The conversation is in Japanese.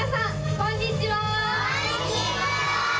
こんにちは。